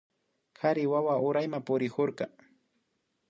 Kari wawa urayman purikurka